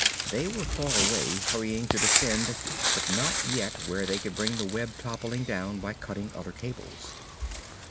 They were far away, hurrying to descend but not yet where they could bring the web toppling down by cutting other cables.